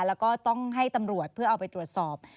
แล้วก็ต้องให้ตำรวจเพื่อเอาไปตรวจสอบ